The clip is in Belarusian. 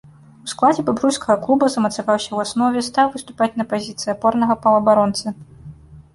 У складзе бабруйскага клуба замацаваўся ў аснове, стаў выступаць на пазіцыі апорнага паўабаронцы.